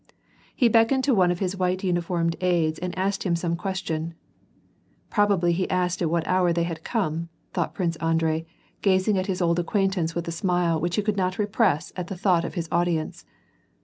He beckoned to one of his white uniformed aides and asked him some question. " Probably he asked at what hour they had come," thought Prince Andrei, gazing at his old aequaintance with a smile which he could not repress at the thought of his audience.